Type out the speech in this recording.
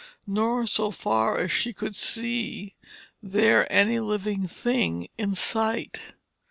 Nor so far as she could see was there any living thing in sight.